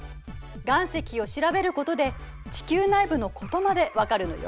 岩石を調べることで地球内部のことまで分かるのよ。